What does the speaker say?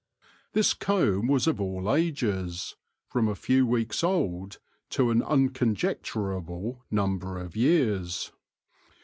This comb was of all ages, from a few weeks old to an unconjecturable number of years.